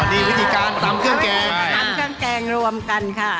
อ๋อนี่วิธีการตำเป็นพริกแกงตำเป็นพริกแกงรวมกันค่ะ